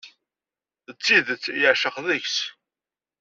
D tidet yeɛceq deg-s.